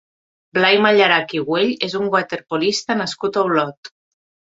Blai Mallarach i Güell és un waterpolista nascut a Olot.